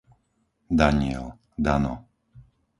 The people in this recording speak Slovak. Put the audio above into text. Daniel, Dano